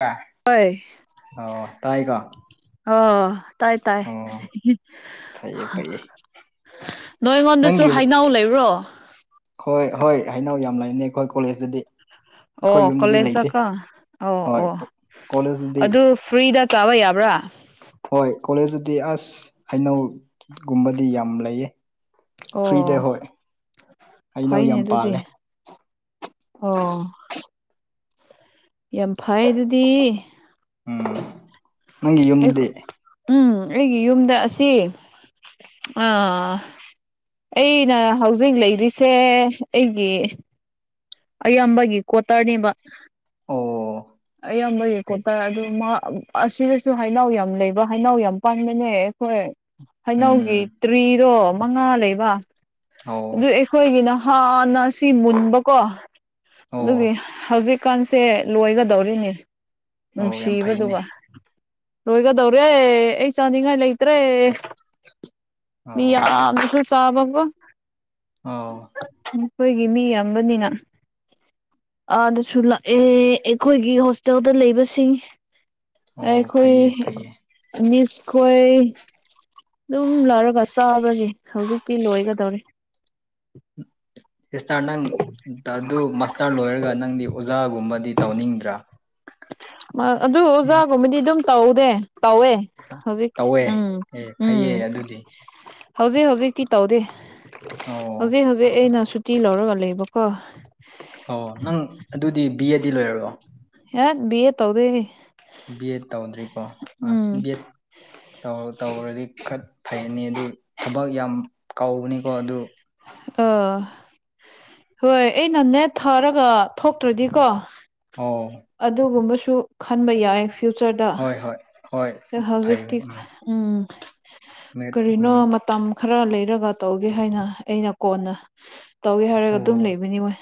[unintelligible] ꯍꯣꯏ ꯑꫭ ꯇꯥꯏꯔꫭ ꯑꯣ ꯇꯥꯏ ꯇꯥꯏ ꯐꯩꯌꯦ ꯐꯩꯌꯦ ꯅꯣꯏ ꯅꯪꯒꯤ ꯑꯩꯉꯣꯟꯗꯁꯨ ꯍꯩꯅꯎ ꯂꯩꯕ꯭ꯔꯣ ꯍꯣꯏ ꯍꯣꯏ ꯍꯩꯅꯎ ꯌꯥꯝ ꯂꯥꯏꯅꯦ ꯑꯩꯈꯣꯏ ꯀꯣꯂꯦꯖꯇꯗꯤ ꯑꯣ ꯑꯩꯈꯣꯏ ꯌꯨꯝꯗꯗꯤ ꯂꯩꯇꯦ ꯀꯣꯂꯦꯖꯗꯀ ꯑꯣ ꯍꯣꯏ ꯑꯣ ꯀꯣꯂꯦꯖꯇꯗꯤ ꯑꯗꯨ ꯐ꯭ꯔꯤꯗ ꯆꯥꯕ ꯌꯥꯕ꯭ꯔꯥ ꯍꯣꯏ ꯀꯣꯂꯦꯖꯇꯗꯤ ꯑꯁ ꯍꯩꯅꯎꯒꯨꯝꯕꯗꯤ ꯌꯥꯝ ꯂꯩꯌꯦ ꯐ꯭ꯔꯤꯗ ꯑꯣ ꯍꯣꯏ ꯍꯩꯅꯎ ꯐꯩꯅꯦ ꯌꯥꯝ ꯑꯗꯨꯗꯤ ꯄꯥꯜꯂꯦ ꯑꯣ ꯌꯥꯝ ꯐꯩ ꯑꯗꯨꯗꯤ ꯎꯝ ꯅꯪꯒꯤ ꯑꯩꯈꯣ ꯌꯨꯝꯗꯗꯤ ꯎꯝ ꯑꯩꯒꯤ ꯌꯨꯝꯗ ꯑꯁꯤ ꯑꯥ ꯑꯩꯅ ꯍꯧꯖꯤꯛ ꯂꯩꯔꯤꯁꯦ ꯑꯩꯒꯤ ꯑꯌꯥꯝꯕꯒꯤ ꯀꯣꯇꯔꯅꯦꯕ ꯑꯣ ꯑꯌꯥꯝꯕꯒꯤ ꯐꯩ ꯀꯣꯇꯔ ꯑꯗꯨ ꯃꯥ ꯑꯁꯤꯗꯁꯨ ꯍꯩꯅꯎ ꯌꯥꯝ ꯂꯩꯕ ꯍꯩꯅꯎ ꯌꯥꯝ ꯄꯥꯟꯕꯅꯦ ꯍꯣꯏ ꯍꯩꯅꯧꯒꯤ ꯎꯝ ꯇ꯭ꯔꯤꯗꯣ ꯃꯉꯥ ꯂꯩꯕ ꯑꯣ ꯑꯗꯨꯏ ꯑꯩꯈꯣꯏꯒꯤꯅ ꯍꯥꯟꯅ ꯑꯁꯤ ꯃꯨꯟꯕꯀꯣ ꯑꯣ ꯑꯗꯨꯒꯤ ꯍꯧꯖꯤꯛꯀꯥꯟꯁꯦ ꯂꯣꯏꯒꯗꯧꯔꯤꯅꯤ ꯑꯣ ꯌꯥꯝ ꯐꯩꯅꯦ ꯅꯨꯡꯁꯤꯕꯗꯨꯒ ꯂꯣꯏꯒꯗꯧꯔꯦ ꯑꯩ ꯆꯥꯅꯤꯡꯉꯥꯏ ꯂꯩꯇ꯭ꯔꯦ ꯃꯤ ꯑꯣ ꯌꯥꯝꯅꯁꯨ ꯆꯥꯕꯀꯣ ꯑꯥꯎ ꯅꯈꯣꯏꯒꯤ ꯃꯤ ꯌꯥꯝꯕꯅꯤꯅ ꯑꯗꯥꯁꯨ ꯂꯥꯛ ꯑꯦ ꯑꯩꯈꯣꯏꯒꯤ ꯍꯣꯁꯇꯦꯜꯗ ꯂꯩꯕꯁꯤꯡ ꯑꯣ ꯑꯩꯈꯣꯏ ꯐꯩꯌꯦ ꯐꯩꯌꯦ ꯃꯤꯁꯈꯣꯏ ꯑꯗꯨꯝ ꯂꯧꯔꯒ ꯆꯥꯕꯒꯤ ꯍꯧꯖꯤꯛꯇꯤ ꯂꯣꯏꯒꯗꯧꯔꯤꯦ ꯁꯤꯁꯇꯔ ꯅꯪ ꯑꯗꯨ ꯃꯥꯁꯇꯔ ꯂꯣꯏꯔꯒ ꯅꯪꯗꯤ ꯑꯣꯖꯥꯒꯨꯝꯕꯗꯤ ꯇꯧꯅꯤꯡꯗ꯭ꯔꯥ ꯑꯗꯨ ꯑꯣꯖꯥꯒꯨꯝꯕꯗꯤ ꯑꯗꯨꯝ ꯇꯧꯗꯦ ꯇꯧꯋꯦ ꯍꯧꯖꯤꯛ ꯇꯧꯋꯦ ꯎꯝ ꯑꯦ ꯎꯝ ꯐꯩꯌꯦ ꯑꯗꯨꯗꯤ ꯍꯧꯖꯤꯛ ꯍꯧꯖꯤꯛꯇꯤ ꯇꯧꯔꯤꯦ ꯑꯣ ꯍꯧꯖꯤꯛ ꯍꯧꯖꯤꯛ ꯑꯩꯅ ꯇꯜ ꯍꯔ ꯂꯩꯕ ꯀꯣ ꯑꯣ ꯅꯪ ꯑꯗꯨꯗꯤ ꯕꯤ ꯑꯦꯗꯤ ꯂꯣꯏꯔꯣ ꯍ ꯕꯤ ꯑꯦ ꯇꯧꯗꯦ ꯕꯤ ꯑꯦꯠ ꯇꯧꯗ꯭ꯔꯤꯀꯣ ꯑꯁ ꯎꯝ ꯕꯤ ꯑꯦꯠ ꯧꯔ ꯇꯧꯔꯗꯤ ꯈꯔ ꯐꯩꯅꯤ ꯑꯗꯨ ꯊꯕꯛ ꯌꯥꯝ ꯀꯅꯤꯀꯣ ꯑꯗꯨ ꯑꯥ ꯍꯣꯏ ꯑꯩꯅ ꯅꯦꯠ ꯊꯥꯔꯒ ꯊꯣꯛꯇ꯭ꯔꯗꯤꯀꯣ ꯑꯣ ꯑꯗꯨꯒꯨꯝꯕꯁꯨ ꯈꯟꯕ ꯌꯥꯏ ꯐ꯭ꯌꯨꯆꯔꯗ ꯍꯣꯏ ꯍꯣꯏ ꯍꯣꯏ ꯐꯩ ꯍꯧꯖꯤꯛꯇꯤ ꯎꯝ ꯎꯝ ꯅꯦꯠ ꯎꯝ ꯀꯔꯤꯅꯣ ꯃꯇꯝ ꯈꯔ ꯂꯩꯔꯒ ꯇꯧꯒꯦ ꯍꯥꯏꯅ ꯑꯩꯅ ꯀꯣꯟꯅ ꯇꯧꯒꯦ ꯍꯥꯏꯔꯒ ꯑꯗꯨꯝ ꯑꯣ ꯂꯩꯕꯅꯤ ꯃꯣꯏ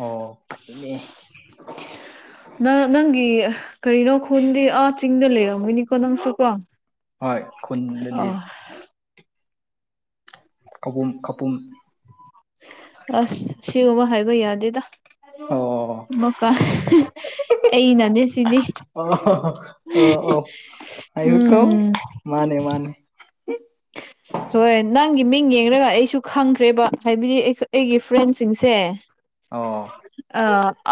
ꯑꯣ ꯐꯩꯅꯦ ꯅꯪ ꯅꯪꯒꯤ ꯀꯔꯤꯅꯣ ꯈꯨꯜꯗꯤ ꯑꯥ ꯆꯤꯡꯗ ꯂꯩꯔ ꯅꯤ ꯀꯣ ꯅꯪꯁꯨꯀꯣ ꯍꯣꯏ ꯈꯨꯟꯗꯗꯤ ꯀꯕꯨꯝ ꯈꯄꯨꯝ ꯑꯁ ꯁꯤꯒꯨꯝꯕ ꯍꯥꯏꯕ ꯌꯥꯗꯦꯗ ꯑꯣ ꯃꯀ ꯑꯩ ꯏ ꯅꯅꯦ ꯁꯗꯤ ꯑꯣ ꯑꯣ ꯑꯣ ꯑꯩꯁꯨ ꯀꯧꯋꯦ ꯎꯝ ꯃꯥꯅꯦ ꯃꯥꯅꯦ UNINTELLIGIBLE ꯍꯣꯏ ꯅꯪꯒꯤ ꯃꯤꯡ ꯌꯦꯡꯂꯡꯒ ꯑꯩꯁꯨ ꯈꯪꯈ꯭ꯔꯦꯕ ꯍꯥꯏꯕꯗꯤ ꯑꯩꯒꯤ ꯐ꯭ꯔꯦꯟꯁꯤꯡꯁꯦ ꯑꯣ ꯑ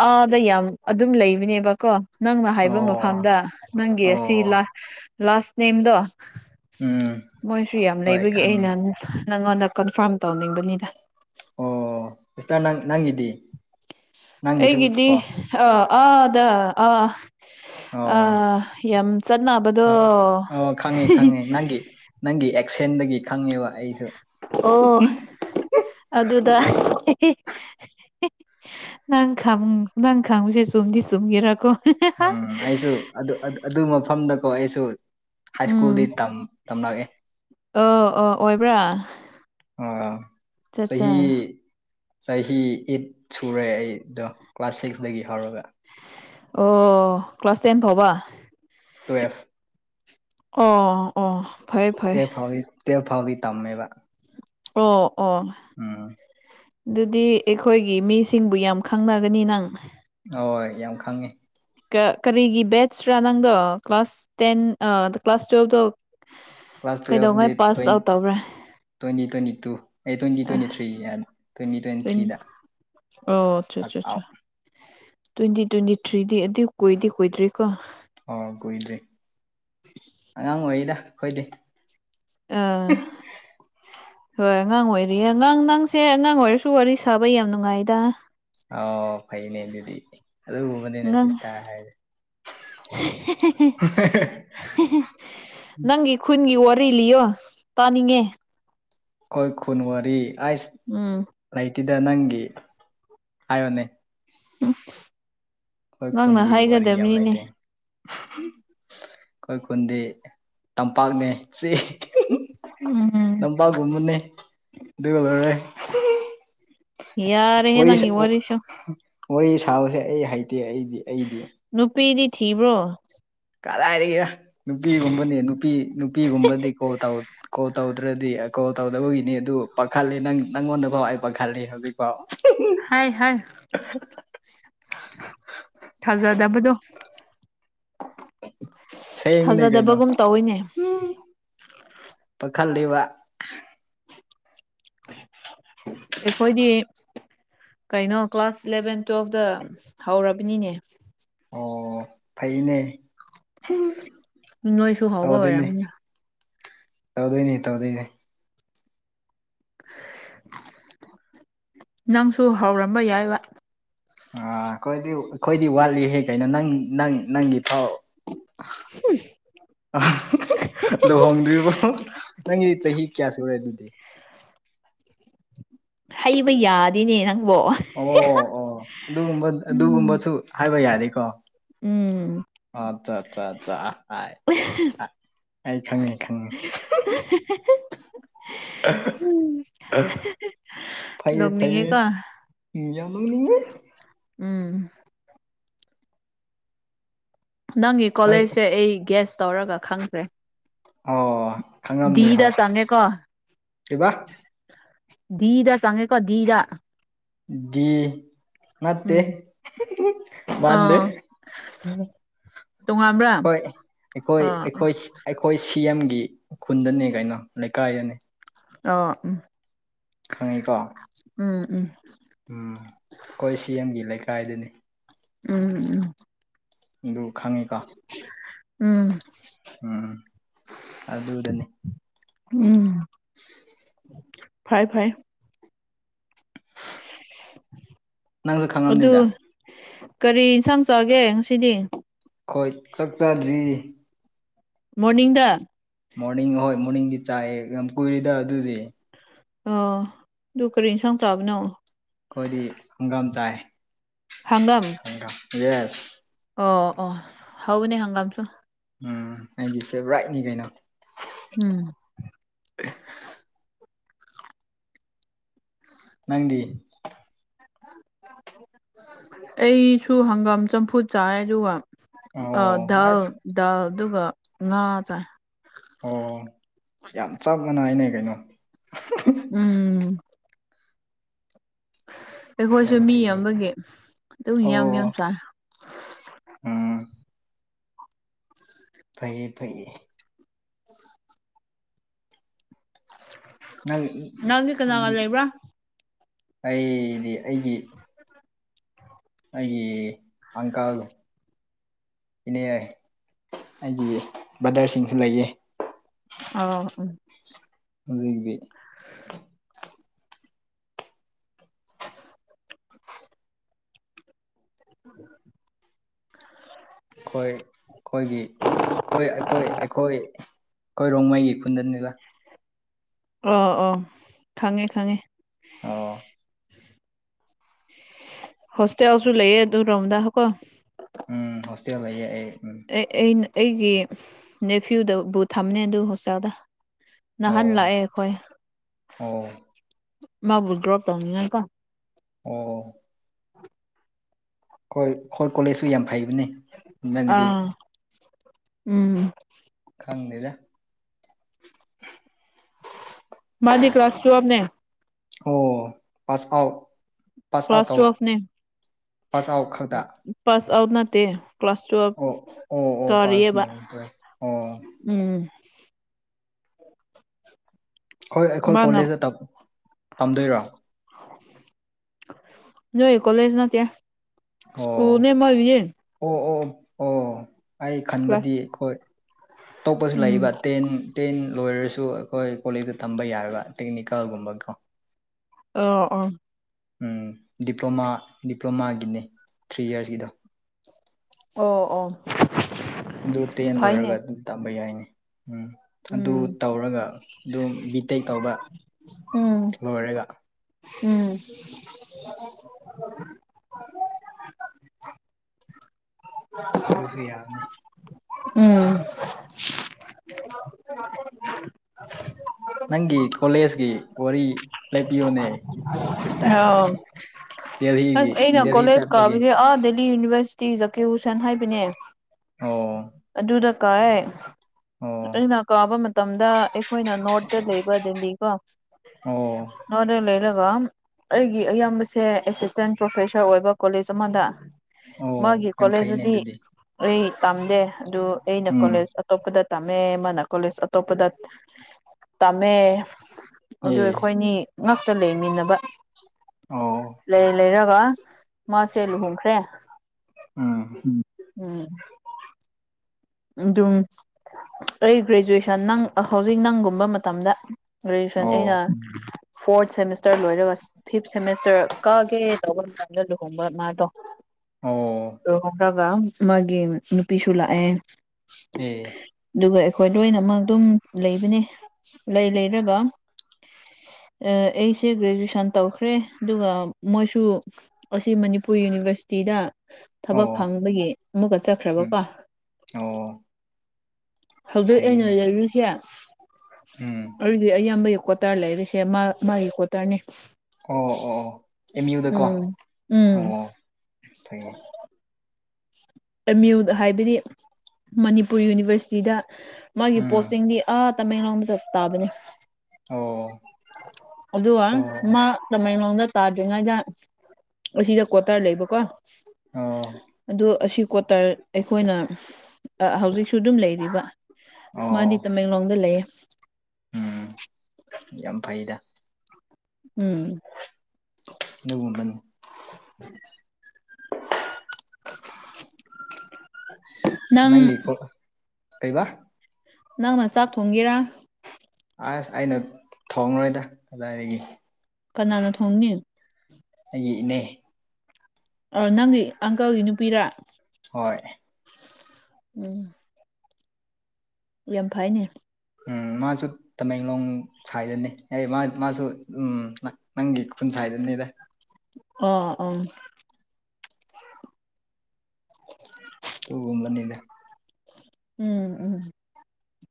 ꯑꯥꯗ ꯌꯥꯝ ꯑꯗꯨꯝ ꯂꯩꯕꯅꯦꯕꯀꯣ ꯅꯪꯅ ꯍꯥꯏꯕ ꯃ ꯑꯣ ꯐꯥꯝꯗ ꯅꯪꯒꯤ ꯑꯁꯤ ꯑꯣ ꯂꯥꯁ ꯅꯦꯝꯗꯣ ꯎꯝ ꯃꯣꯏꯁꯨ ꯌꯥꯝ ꯍꯣꯏ ꯂꯩꯕꯒꯤ ꯈꯪꯉꯦ ꯑꯩꯅ ꯅꯪꯉꯣꯟꯗ ꯀꯟꯐꯥꯔꯝ ꯇꯧꯅꯤꯡꯕꯅꯤꯗ ꯑꯣ ꯁꯇꯥꯥꯔ ꯅꯪ ꯅꯪꯒꯤꯗꯤ ꯅꯪꯒꯤꯁꯨ ꯍꯩꯒꯗꯗꯤ ꯀꯣ ꯑ ꯑꯗ ꯑ ꯑ ꯑꯣ ꯌꯥꯝ ꯆꯠꯅꯕꯗꯣ ꯑꯣ ꯈꯪꯉꯦ ꯈꯪꯉꯦ ꯅꯪꯒꯤ ꯅꯪꯒꯤ ꯑꯦꯛꯁꯦꯟꯗꯒꯤ ꯈꯪꯉꯦꯕ ꯑꯩꯁꯨ ꯑꯣ ꯑꯗꯨꯗ ꯅꯪ ꯈ ꯅꯪ ꯈꯪꯕꯁꯦ ꯆꯨꯝꯗꯤ ꯆꯨꯝꯒꯦꯔꯥꯀꯣ ꯎꯝ ꯑꯩꯁꯨ ꯑꯗꯨ ꯑꯗꯨ ꯃꯐꯝꯗꯀꯣ ꯑꯩꯁꯨ ꯍꯥꯏ ꯁ꯭ꯀꯨꯜꯗꯤ ꯎꯝ ꯇꯝꯂꯑꯦ ꯑꯣ ꯑꯣ ꯑꯣꯏꯕ꯭ꯔꯥ ꯑꯥ ꯆꯍꯤꯍꯤ ꯆꯠꯆꯥ ꯆꯍꯤ ꯏꯠ ꯁꯨꯔꯦ ꯑꯩꯗꯣ ꯀ꯭ꯂꯥꯁ ꯁꯤꯛꯁꯇꯒꯤ ꯍꯧꯔꯒ ꯑꯣ ꯀ꯭ꯂꯥꯁ ꯇꯦꯟ ꯐꯥꯎꯕ ꯇꯨꯋꯌꯦꯜꯞ ꯑꯣ ꯑꯣ ꯐꯩ ꯐꯩ ꯀꯦ ꯐ ꯇꯦ ꯐꯕꯤ ꯇꯃꯕ ꯑꯣ ꯑꯣ ꯎꯝ ꯑꯗꯨꯗꯤ ꯑꯩꯈꯣꯏꯒꯤ ꯃꯤꯁꯤꯡꯕꯨ ꯌꯥꯝ ꯈꯪꯅꯒꯅꯤ ꯅꯪ ꯍꯣꯏ ꯌꯥꯝ ꯈꯪꯉꯦ꯫ ꯀꯔꯤꯒꯤ ꯕꯦꯠꯁꯔꯥ ꯅꯪꯗꯣ ꯀ꯭ꯂꯥꯁ ꯇꯦꯟ ꯀ꯭ꯂꯥꯁ ꯇꯨꯌꯦꯜꯞꯇꯣ ꯀ꯭ꯂꯥꯁ ꯇꯨ꯭ꯋꯦꯟ ꯀꯩꯗꯧꯉꯩ ꯄꯥꯁ ꯑꯥꯎꯠ ꯇ꯭ꯋꯦꯟꯇꯤ ꯇꯧꯕ꯭ꯔꯥ ꯇ twenty twenty three. Twenty twenty ꯊ꯭ꯔꯤꯗ ꯑꯣ ꯑꯆꯥ ꯑꯆꯥ ꯄꯥꯁ ꯑꯆꯥ ꯑꯥꯎꯠ ꯇ꯭ꯋꯦꯟꯇꯤ ꯇ꯭ꯋꯦꯟꯇꯤ ꯊ꯭ꯔꯤꯗꯤ ꯑꯗꯨ ꯀꯨꯏꯗꯦ ꯀꯨꯗ꯭ꯔꯤꯀꯣ ꯑ ꯀꯣꯏꯗꯔꯤ꯫ ꯑꯉꯥꯡ ꯑꯣꯏꯔꯤꯗ ꯑꯩꯈꯣꯏꯗꯤ꯫ ꯑꯥ ꯍꯣꯏ ꯑꯉꯥꯡ ꯑꯣꯏꯔꯤꯌꯦ ꯑꯉꯥꯡ ꯅꯪꯁꯦ ꯑꯉꯥꯡ ꯑꯣꯏꯔꯁꯨ ꯋꯥꯔꯤ ꯁꯥꯕ ꯌꯥꯝ ꯅꯨꯡꯉꯥꯏꯗ ꯑ ꯐꯅꯦ ꯑꯗꯨꯗꯤ ꯑꯗꯨꯕꯨ ꯅꯪ ꯅꯪꯒꯤ ꯈꯨꯟꯒꯤ ꯋꯥꯔꯤ ꯂꯤꯌꯣ ꯇꯥꯅꯤꯡꯉꯦ꯫ ꯀꯣꯏ ꯈꯨꯨꯟꯋꯥꯔꯤ ꯑꯁ ꯎꯝ ꯂꯩꯇꯤꯗ ꯅꯪꯒꯤ ꯍꯥꯏꯌꯅꯦ꯫ ꯎꯝ ꯍꯣꯏ ꯈꯨꯟꯗꯤ ꯋꯥꯔꯤ ꯌꯥꯝ ꯂꯩꯇꯦ꯫ ꯑꯩꯈꯣꯏ ꯈꯨꯟꯗꯤ ꯇꯝꯄꯥꯛꯅꯦ ꯆꯦ ꯎꯝ ꯄꯥꯒꯨꯟꯕꯅꯤ ꯗꯗꯨꯀꯂꯔ ꯌꯥꯔꯦꯍꯦ ꯅꯪꯒꯤ ꯋꯥꯔꯤꯁꯨ ꯋꯥꯔꯤ ꯁꯥꯕꯁꯦ ꯑꯩ ꯍꯩꯇꯦ ꯑꯩꯗꯤ ꯑꯩꯗꯤ ꯅꯨꯄꯤꯗꯤ ꯊꯤꯕ꯭ꯔꯣ ꯀꯗꯥꯏꯗꯒꯤꯔ ꯅꯨꯄꯤꯒꯨꯝꯕꯅꯤ ꯅꯨꯄꯤ ꯅꯨꯄꯤꯒꯨꯝꯕꯗꯤ ꯀꯣ ꯇꯧ ꯀꯣꯜ ꯇꯧꯗ꯭ꯔꯗꯤ ꯀꯣꯜ ꯇꯧꯗꯕꯒꯤꯅꯤ ꯑꯗꯨ ꯄꯥꯈꯠꯜꯂꯤ ꯅꯪ ꯅꯪꯉꯣꯟꯗ ꯐꯥꯎ ꯑꯩ ꯄꯥꯈꯠꯜꯂꯤ ꯍꯧꯖꯤꯛ ꯍꯥꯏ ꯍꯥꯏ ꯊꯥꯖꯗꯕꯗꯣ ꯁꯌꯦꯡꯅꯦ ꯀꯩꯅꯣ ꯊꯥꯖꯗꯕꯒꯨꯝ ꯇꯧꯋꯤꯅꯦ ꯄꯥꯈꯜ ꯂꯩꯕ ꯑꯩꯈꯣꯏꯗꯤ꯫ ꯀꯩꯅꯣ ꯀ꯭ꯂꯥꯁ ꯏꯂꯚꯦꯟ ꯇꯨꯌꯦꯦꯜꯐꯇ ꯍꯧꯔꯕꯅꯤꯅꯦ꯫ ꯑꯣ ꯐꯩꯅꯦ꯫ ꯅꯣꯏꯁꯨ ꯍꯥꯎꯕ ꯑꯣꯏꯔꯝꯅ ꯇꯧꯗꯣꯏꯅꯤ ꯇꯧꯗꯣꯏꯅꯤ ꯅꯪꯁꯨ ꯍꯧꯔꯝꯕ ꯌꯥꯏꯕ ꯑ ꯑꯩꯈꯣꯏꯗꯤ ꯑꯩꯈꯣꯏꯗꯤ ꯋꯥꯠꯂꯤꯍꯦ ꯀꯩꯅꯣ ꯅꯪ ꯅꯪ ꯅꯪꯒꯤ ꯊꯥꯎ ꯂꯨꯍꯣꯡꯗ꯭ꯔꯤꯕꯣ ꯅꯪꯒꯤ ꯆꯍꯤ ꯀꯌꯥ ꯁꯨꯔꯦ ꯑꯗꯨꯗꯤ ꯍꯩꯕ ꯌꯥꯗꯤꯅꯦ ꯅꯪꯕꯣ ꯑꯣ ꯑꯣ ꯑꯗꯨꯒꯨꯝꯕ ꯑꯗꯨꯒꯨꯝꯕꯁꯨ ꯍꯥꯏꯕ ꯌꯥꯅꯤꯀꯣ ꯎꯝ ꯑꯠꯆꯥ ꯑꯠꯆꯥ ꯑꯠ ꯍꯥꯏ ꯑꯩ ꯈꯪꯉꯦ ꯈꯪꯉꯦ꯫ ꯐꯩꯌꯦ ꯐꯩꯌꯦ ꯅꯣꯛꯅꯤꯡꯉꯦꯀꯣ ꯃꯤ ꯌꯥꯝ ꯅꫭꯛꯅꯤꯡꯉꯦ꯫ ꯎꯝ ꯅꯪꯒꯤ ꯅꯣꯏ ꯀꯣꯂꯦꯖꯁꯦ ꯑꯩ ꯒꯦꯁ ꯇꯧꯔꯒ ꯈꯪ ꯈꯔꯦ꯫ ꯑꯣ ꯈꯪꯉꯝꯅꯤ ꯗꯤꯏꯗ ꯍꯣꯏ ꯆꯉꯦ ꯀꯣ꯫ ꯀꯩꯕꯥ ꯗꯤꯏꯗ ꯆꯉꯦꯀꫭ ꯗꯤꯏꯗ꯫ ꯗꯤꯏ ꯅꯠꯇꯦ ꯎꯝ ꯃꯥꯟꯗꯦ꯫ ꯑꯥ ꯇꯣꯉꯥꯟꯕ꯭ꯔꯥ ꯍꯣꯏ ꯑꯩꯈꯣꯏ ꯑꯥ ꯑꯩꯈꯣꯏ ꯑꯩꯈꯣꯏ ꯁꯤ ꯑꯦꯝꯒꯤ ꯈꯨꯟꯗꯅꯦ ꯀꯩꯅꯣ ꯂꯩꯀꯥꯏꯗꯅꯦ꯫ ꯑꯣ ꯎꯝ ꯈꯪꯉꯤꯀꯣ ꯎꯝ ꯎꯝ ꯎꯝ ꯑꯩꯈꯣꯏ ꯁꯤ ꯑꯦꯝꯒꯤ ꯂꯩꯀꯥꯏꯗꯅꯤ ꯎꯝ ꯎꯝ ꯑꯗꯨ ꯈꯪꯉꯤꯀꯣ ꯎꯝ ꯎꯝ ꯑꯗꯨ ꯑꯗꯨꯗꯅꯤꯦ ꯎꯝ ꯐꯥꯏ ꯐꯥꯏ ꯅꯪꯁꯨ ꯑꯗꯨ ꯈꯪꯉꯝꯅꯤꯗ ꯀꯔꯤ ꯏꯟꯁꯥꯡ ꯆꯥꯒꯦ ꯉꯁꯤꯗꯤ ꯑꯩꯣꯏ ꯆꯥꯛꯆꯗ꯭ꯔꯤ ꯃꯣꯔꯅꯤꯡꯗ ꯃꯣꯔꯅꯤꯡ ꯍꯍꯣꯏ ꯃꯣꯔꯅꯤꯡꯗꯤ ꯆꯥꯛꯑ ꯌꯥꯝ ꯀꯨꯏꯔꯤꯗ ꯑꯗꯨꯗꯤ ꯑꯣ ꯑꯗꯨ ꯀꯔꯤ ꯏꯟꯁꯥꯡ ꯆꯥꯕꯅꯣ ꯑꯩꯈꯣꯏꯗꯤ ꯍꯪꯒꯥꯝ ꯆꯥꯏ ꯍꯪꯒꯥꯝ ꯌꯦꯁ ꯑꯣ ꯑꯣ ꯍꯅꯦ ꯍꯪꯒꯥꯝꯁꯨ ꯎꯝ ꯑꯩꯒꯤ ꯐꯦꯕꯣꯔꯥꯏꯠꯅꯤ ꯀꯩꯅꯣ ꯎꯝ ꯅꯪꯗꯤ ꯑꯩꯁꯨ ꯍꯪꯒꯥꯝ ꯆꯝꯐꯨꯠ ꯆꯥꯏ ꯑꯗꯨꯒ ꯑꯣ ꯑ ꯗꯥꯜ ꯑꯁ ꯗꯥꯜ ꯑꯗꯨꯒ ꯉꯥ ꯆ ꯑꯣ ꯌꯥꯝ ꯆꯞ ꯃꯥꯟꯅꯏꯅꯦ ꯀꯩꯅꯣ ꯎꯝ ꯑꯩꯈꯣꯏꯁꯨ ꯌꯥꯝ ꯃꯤ ꯐꯩꯌꯦ ꯑꯃꯒꯤ ꯑꯗꯨꯝ ꯑꯣ ꯌꯥꯝ ꯌꯥꯝ ꯆꯥ ꯎꯝ ꯐꯩꯌꯦ ꯐꯩꯌꯦ ꯅꯪ ꯅꯪꯗꯤ ꯎꯝ ꯀꯅꯥꯒ ꯂꯩꯕ꯭ꯔꯥ ꯑꯩꯗꯤ ꯑꯩꯒꯤ ꯑꯩꯒꯤ ꯑꯪꯀꯜ ꯏꯅꯦ ꯑꯩꯒꯤ ꯕ꯭ꯔꯗꯔꯁꯤꯡꯁꯨ ꯂꯩꯌꯦ ꯑ ꯎ ꯑꯗꯨꯗꯒꯤꯗꯤ ꯎꯝ ꯎ ꯑꯩꯈꯣꯏ ꯑꯩꯈꯣꯏꯒꯤ ꯑꯩꯈꯣꯏ ꯑꯩꯈꯣꯏ ꯑꯩꯈꯣꯏ ꯑꯩꯈꯣꯏꯔꯣꯡꯃꯩꯒꯤ ꯈꯨꯟꯗꯅꯤꯗ ꯑ ꯑꯥ ꯈꯪꯉꯦ ꯈꯪꯉꯦ ꯑꯣ ꯍꯣꯁꯇꯦꯜꯁꯨ ꯂꯩꯌꯦ ꯑꯗꯨ ꯔꯣꯝꯗ ꯍꯥꯀꯣ ꯎꯝ ꯍꯣꯁꯇꯦꯜ ꯂꯩꯌꯦ ꯑꯩ ꯎꯝ ꯑꯩ ꯑꯩꯅ ꯑꯩꯒꯤ ꯅꯦꯐ꯭ꯤꯌꯨꯗꯕꯨ ꯊꯝꯅꯦ ꯑꯗꯨ ꯍꯣꯁꯇꯦꯜꯗ ꯑꯣ ꯅꯥꯍꯟ ꯂꯥꯛꯑꯦ ꯑꯩꯈꯣꯏ ꯑꯣ ꯃꯥꯕꯨ ꯗ꯭ꯔꯣꯞ ꯇꯧꯅꯤꯡꯉꯀꯣ ꯑꯣ ꯍꯣꯏ ꯑꯩꯈꯣꯏ ꯀꯣꯂꯦꯖꯁꯨ ꯌꯥꯝ ꯐꯩꯕꯅꯤ ꯑꯥ ꯎꯝ ꯈꯪꯅꯤꯂ ꯃꯥꯗꯤ ꯀ꯭ꯂꯥꯁ ꯇꯨꯑꯕꯅꯦ ꯑꯣ pass out pass out class ꯑꯥꯎ ꯇꯨꯋꯦꯜꯐꯅꯦ ꯄꯥꯁ ꯑꯥꯎꯠ ꯈꯛꯇ ꯄꯥꯁ ꯑꯥꯎꯠ ꯅꯠꯇꯦ ꯀ꯭ꯂꯥꯁ ꯇꯨꯋꯦꯜꯕ ꯑꯣ ꯑꯣ ꯑꯣ ꯇꯥꯔꯤꯑꯕ ꯄꯥꯁ ꯑꯣ ꯎꯝ ꯍꯣꯏ ꯑꯩꯈꯣꯏ ꯃꯥꯅ ꯀꯣꯂꯦꯖꯇ ꯇꯝꯗꯣꯏꯔꯣ ꯌꯥꯣꯏ ꯀꯣꯂꯖ ꯅ ꯇ ꯑꯣ ꯁ꯭ꯀꯨꯜꯅꯦ ꯃ ꯑꯣ ꯑꯣ ꯑꯣ ꯑꯩ ꯀ꯭ꯂꯥꯁ ꯈꯟꯕꯗꯤ ꯑꯩꯈꯣꯏ ꯑꯇꯣꯞꯄꯁꯨ ꯎꯝ ꯂꯩꯕ ꯇꯦꯟ ꯇꯦꯟ ꯂꯣꯏꯔꯁꯨ ꯑꯩꯈꯣꯏ ꯀꯣꯂꯦꯖꯇ ꯇꯝꯕ ꯌꯥꯥꯏꯕ ꯇꯦꯛꯅꯤꯀꯜꯒꯨꯝꯕꯀꯣ ꯑ ꯑꯣ ꯎꯝ ꯗꯤꯄ꯭ꯂꯣꯃꯥ ꯗꯤꯄ꯭ꯂꯣꯃꯥꯒꯤꯅꯦ ꯊ꯭ꯔꯤ ꯏꯔꯁꯀꯤꯗꯣ ꯑꯣ ꯑꯣ ꯑꯗꯨ ꯇꯦꯟ ꯐꯩꯅꯦ ꯂꯣꯏꯔꯒ ꯑꯗꯨꯝ ꯇꯥꯝꯕ ꯌꯥꯏꯅꯤ ꯎꯝ ꯑꯗꯨ ꯎꯝ ꯇꯧꯔꯒ ꯑꯗꯨꯝ ꯕꯤ ꯇꯦꯛ ꯇꯧꯕ ꯎꯝ ꯂꯣꯏꯔꯒ ꯎꯝ ꯎ [unintelligible] ꯑꯗꯨꯁꯨ ꯌꯥꯕꯅꯤ ꯎꯝ ꯅꯪꯒꯤ ꯀꯣꯂꯦꯖꯀꯤ ꯋꯥꯔꯤ ꯂꯦꯞꯄꯤꯌꯣꯅꯦ ꯑꯧ ꯑꯩꯅ ꯗꯦꯜꯍꯤ ꯀꯣꯂꯦꯖꯁ ꯆꯠꯄꯒꯤ ꯀꯥꯕꯤꯗꯤ ꯑꯥ ꯗꯤꯜ ꯗꯤꯂꯤ ꯌꯨꯅꯤꯚꯔꯁꯤꯇꯤ ꯖꯥꯀꯤꯌꯨꯁꯟ ꯍꯥꯏꯕꯅꯦ ꯑꯣ ꯑꯗꯨꯗ ꯀꯌ‌ꯦ ꯑꯣ ꯑꯩꯅ ꯀꯥꯕ ꯃꯇꯝꯗ ꯑꯩꯈꯣꯏꯅ ꯅꯣꯔꯠꯇ ꯂꯩꯕ ꯗꯦꯜꯂꯤ ꯀꯣ ꯑꯣ ꯅꫭꯔꯠꯗ ꯂꯩꯔꯒ ꯑꯩꯒꯤ ꯑꯌꯥꯝꯕꯁꯦꯁꯤ ꯑꯁꯤꯁ ꯇꯦꯟ ꯄ꯭ꯔꯣꯐꯦꯁꯔ ꯑꯣꯏꯕ ꯀꯣꯂꯦꯖ ꯑꯃꯗ ꯑꯣ ꯃꯥꯒꯤ ꯌꯥꯝ ꯐꯩꯅꯦ ꯀꯣꯂꯦꯖꯇꯗꯤ ꯑꯗꯨꯗꯤ ꯑꯩ ꯇꯝꯗꯦ ꯑꯗꯨ ꯑꯩꯅ ꯎꯝ ꯀꯣꯂꯦꯖ ꯑꯇꯣꯞꯄꯗ ꯇꯝꯃꯦ ꯃꯅꯥ ꯀꯣꯂꯦꯖ ꯑꯇꯣꯞꯄꯗ ꯇꯝꯃꯦ ꯑꯗꯨ ꯑꯦ ꯑꯩꯈꯣꯏꯅꯤ ꯉꯛꯇ ꯂꯩꯃꯤꯟꯅꯕ ꯑꯣ ꯂꯩ ꯂꯩꯔꯒ ꯃꯥꯁꯦ ꯂꯨꯍꯣꯡꯈ꯭ꯔꯦ ꯎꯝ ꯎꯝ ꯑꯗꯨꯝ ꯑꯩ ꯒ꯭ꯔꯦꯖꯨꯑꯦꯁꯟ ꯅꯪ ꯍꯧꯖꯤꯛ ꯅꯪꯒꯨꯝꯕ ꯃꯇꯝꯗ ꯒ꯭ꯔꯦꯖꯨꯌꯦꯁꯟ ꯑꯩꯅ ꯑꯣ ꯐꯣꯔꯠ ꯁꯦꯃꯤꯁꯇꯔ ꯂꯣꯏꯔꯒ ꯐꯤꯞ ꯁꯦꯃꯦꯁꯇꯔ ꯀꯥꯑꯒꯦ ꯇꯧꯕ ꯃꯇꯝꯗ ꯂꯨꯍꯣꯡꯕ ꯃꯥꯗꯣ ꯑꯣ ꯂꯨꯍꫭꯡꯈꯔꯒ ꯃꯥꯒꯤ ꯅꯨꯄꯤꯁꯨ ꯂꯥꯛꯑꯦ ꯑꯦ ꯑꯗꯨꯒ ꯑꯩꯈꯣꯏ ꯂꯣꯏꯅꯃꯛ ꯑꯗꯨꯝ ꯂꯩꯕꯅꯤ ꯂꯩ ꯂꯩꯔꯒ ꯑꯥ ꯑꯩꯁꯦ ꯒ꯭ꯔꯦꯖꯨꯦꯁꯟ ꯇꯧꯈ꯭ꯔꯦ ꯑꯗꯨꯒ ꯃꯣꯏꯁꯨ ꯑꯁꯤ ꯃꯅꯤꯄꯨꯔ ꯌꯨꯅꯤꯚꯔꯁꯤꯇꯤꯗ ꯊꯕꯛ ꯑꯣ ꯐꯪꯕꯒꯤ ꯑꯃꯨꯛꯀ ꯆꯠꯈ꯭ꯔꯕꯀꯣ ꯎꯝ ꯑꯣ ꯍꯧꯖꯤꯛ ꯑꯩꯅ ꯐꯩꯅꯦ ꯂꯩꯔꯤꯁꯦ ꯎꯝ ꯑꯗꯨꯗꯤ ꯑꯌꯥꯝꯕꯒꯤ ꯀꫭꯠ ꯀꫭꯇꯔ ꯂꯩꯔꯤꯁꯦ ꯃꯥ ꯃꯥꯒꯤ ꯀꫭꯇꯔꯅꯤ ꯑꯣ ꯑꯣ ꯑꯣ ꯑꯦꯝ ꯌꯨꯗꯀꯣ ꯎꯝ ꯑꯣ ꯐꯩꯌ‌ꯦ ꯑ‌ꯦꯝ ꯌꯨ꯭ꯗ ꯍꯥꯏꯕꯗꯤ ꯃꯅꯤꯄꯨꯔ ꯌꯨꯅꯤꯚꯔꯁꯤꯇꯤꯗ ꯃꯥꯒꯤ ꯎꯝ ꯄꯣꯁꯇꯤꯡꯗꯤ ꯑꯥ ꯇꯃꯦꯡꯂꯣꯡꯗ ꯇꯥꯕꯅꯤ ꯑꯣ ꯑꯗꯨꯒ ꯑꯣ ꯃꯥ ꯇꯃ‌ꯦꯡ ꯂꫭꯝꯗ ꯇꯥꯗꯔꯤꯉꯩꯗ ꯑꯁꯤꯗ ꯀ꯭ꯋꯥꯇꯥꯔ ꯂꯩꯕꯀꯣ ꯑꯣ ꯑꯗꯣ ꯑꯁꯤ ꯀꯣꯇꯔ ꯑꯩꯈꯣꯏꯅ ꯍꯧꯖꯤꯛꯁꯨ ꯑꯗꯨꯝ ꯂꯩꯔꯤꯕ ꯃꯥꯗꯤ ꯑꯣ ꯇꯃꯦꯡꯂꯣꯡꯗ ꯂꯩꯌꯦ ꯎꯝ ꯌꯥꯝ ꯎꯝ ꯅꯪꯒꯨꯝꯕꯅꯤ ꯎꯝ [unintelligible] ꯅꯪ ꯀꯩꯏꯕ ꯅꯪꯅ ꯆꯥꯛ ꯊꯣꯡꯒꯦꯔꯥ ꯑꯁ ꯑꯩꯅ ꯊꯣꯡꯡꯂꯔꯣꯏꯗ ꯀꯗꯥꯏꯗꯒꯤ ꯀꯅꯥꯅ ꯊꯣꯡꯅꯤ ꯑꯩꯒꯤ ꯏꯅꯦ ꯑꫭ ꯅꯪꯒꯤ ꯑꯪꯀꯜꯒꯤ ꯅꯨꯄꯤꯔꯥ ꯍꯣꯏ ꯎꯝ ꯌꯥꯝ ꯐꯩꯅꯦ ꯎꯝ ꯃꯥꯁꯨ ꯇꯃꯦꯡꯂꯣꯡ ꯁꯥꯏꯗꯅꯤ ꯑꯩ ꯃꯥꯁꯨ ꯎꯝ ꯅꯪꯒꯤ ꯈꯨꯟ ꯁꯥꯏꯗꯅꯤꯗ ꯑꯣ ꯑꯣ ꯇꯨꯒꯨꯝꯕꯅꯤꯗ ꯎꯝ ꯎꯝ